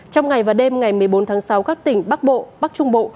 trong ngày và đêm ngày một mươi bốn tháng sáu các tỉnh bắc bộ bắc trung bộ